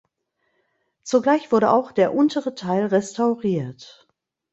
Zugleich wurde auch der untere Teil restauriert.